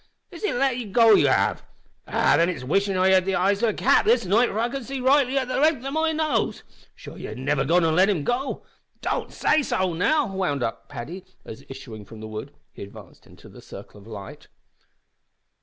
is it let him go ye have? Ah then it's wishin' I had the eyes of a cat this night for I can't rightly see the length of my nose. Sure ye've niver gone an' let him go? Don't say so, now!" wound up Paddy as, issuing from the wood, he advanced into the circle of light.